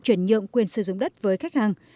chuyển nhượng quyền sử dụng đất với khách hàng